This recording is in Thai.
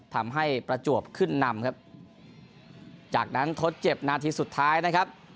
ทำให้ประจวบขึ้นนำครับจากนั้นทดเจ็บนาทีสุดท้ายนะครับ